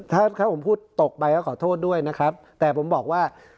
ถ้าถ้าผมพูดตกไปก็ขอโทษด้วยนะครับแต่ผมบอกว่า